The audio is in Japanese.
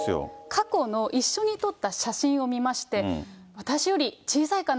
過去の一緒に撮った写真を見まして、私より小さいかな？